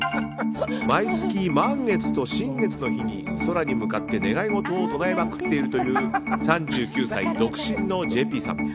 毎月、満月と新月の日に空に向かって願い事を唱えまくっているという３９歳独身のＪＰさん。